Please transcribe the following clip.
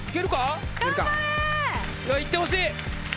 いってほしい！